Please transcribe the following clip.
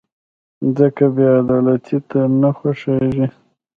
مځکه بېعدالتۍ ته نه خوښېږي.